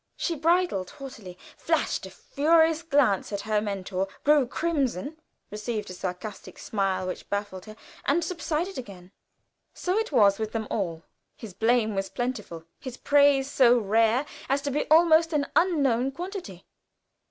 She bridled haughtily, flashed a furious glance at her mentor, grew crimson, received a sarcastic smile which baffled her, and subsided again. So it was with them all. His blame was plentiful; his praise so rare as to be almost an unknown quantity.